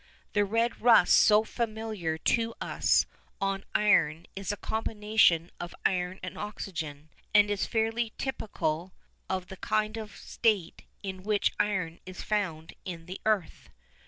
The red rust so familiar to us on iron is a combination of iron and oxygen, and it is fairly typical of the kind of state in which iron is found in the earth.